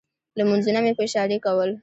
لمونځونه مې په اشارې کول.